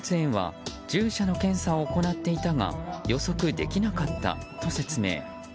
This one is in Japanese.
動物園は獣舎の検査を行っていたが予測できなかったと説明。